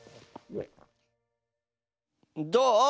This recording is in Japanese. どう？